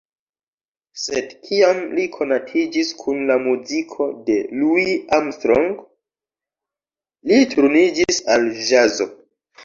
Sed kiam li konatiĝis kun la muziko de Louis Armstrong, li turniĝis al ĵazo.